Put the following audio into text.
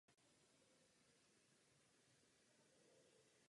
Své domácí zápasy odehrává na stadionu Šenov.